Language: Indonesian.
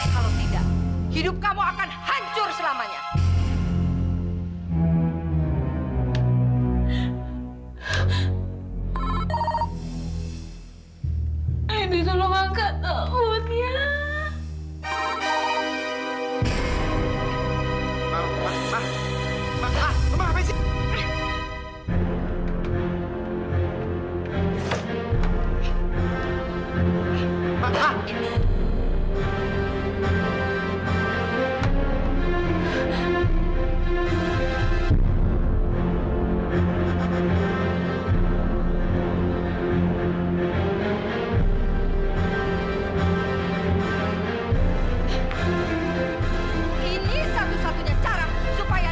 kalau tidak hidup kamu akan hancur selamanya